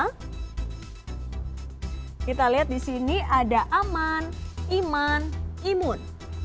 kita lihat di sini ada aman iman imun